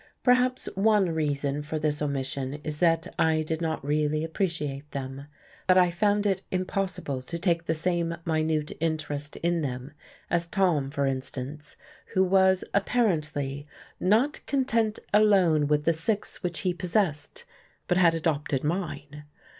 Perhaps one reason for this omission is that I did not really appreciate them, that I found it impossible to take the same minute interest in them as Tom, for instance, who was, apparently, not content alone with the six which he possessed, but had adopted mine.